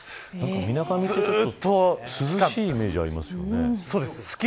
みなかみって涼しいイメージがありますよね。